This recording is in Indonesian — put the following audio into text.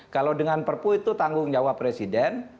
kalau dengan perpu itu tanggung jawab presiden